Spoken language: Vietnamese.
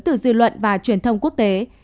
từ dư luận và truyền thông quốc tế